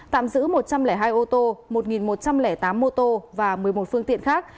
tạm giữ một trăm linh hai ô tô một một trăm linh tám mô tô và một mươi một phương tiện khác